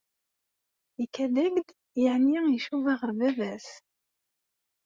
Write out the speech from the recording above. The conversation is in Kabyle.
Ikad-ak-d yeɛni icuba ɣer baba-s?